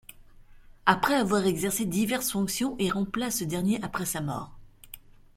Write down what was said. Après avoir exercé diverses fonctions, il remplace ce dernier après sa mort.